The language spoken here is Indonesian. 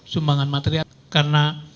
sumbangan material karena